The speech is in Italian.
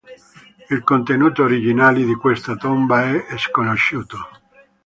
Il contenuto originale di questa tomba è sconosciuto.